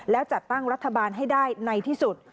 แล้วจัดตั้งรัฐบาลให้ได้ในที่สุด